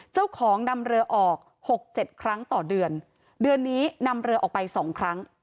นำเรือออกหกเจ็ดครั้งต่อเดือนเดือนนี้นำเรือออกไปสองครั้ง